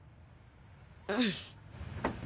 うん。